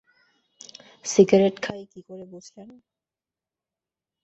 Cigarette খাই, কী করে বুঝলেন?